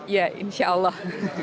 ya insya allah